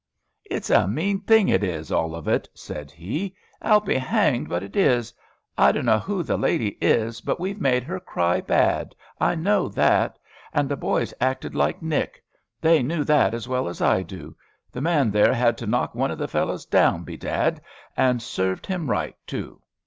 "It's a mean thing it is, all of it," said he, "I'll be hanged but it is! I dunno who the lady is; but we've made her cry bad, I know that; and the boys acted like Nick. They knew that as well as I do. The man there had to knock one of the fellows down, bedad, and served him right, too.